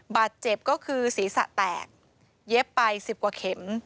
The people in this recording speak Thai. บาดเจ็บก็คือศีรษะแตกเย็บไป๑๐กว่าเข็ม